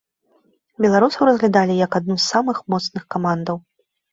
Беларусаў разглядалі як адну з самых моцных камандаў.